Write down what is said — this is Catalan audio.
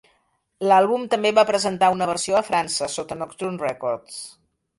L'àlbum també va presentar una versió a França sota Nocturne Records.